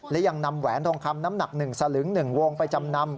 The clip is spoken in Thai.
และยังนำแหวนทองคำน้ำหนัก๑สลึง๑วงไปจำนำ